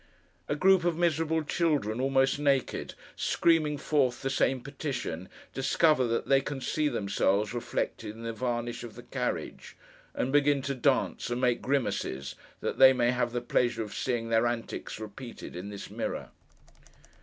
A group of miserable children, almost naked, screaming forth the same petition, discover that they can see themselves reflected in the varnish of the carriage, and begin to dance and make grimaces, that they may have the pleasure of seeing their antics repeated in this mirror.